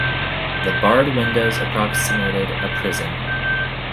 The barred windows approximated a prison.